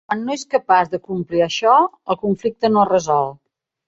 Quan no és capaç d'acomplir això, el conflicte no es resol.